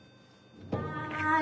はい。